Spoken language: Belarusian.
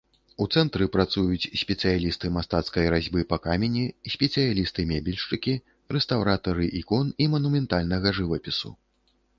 У цэнтры працуюць спецыялісты мастацкай разьбы па камені, спецыялісты-мэбельшчыкі, рэстаўратары ікон і манументальнага жывапісу.